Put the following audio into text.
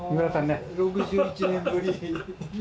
６１年ぶり。